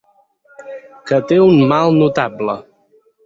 Que té un mal notable.